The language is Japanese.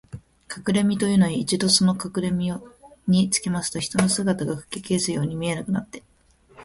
かくれみのというのは、一度そのみのを身につけますと、人の姿がかき消すように見えなくなって、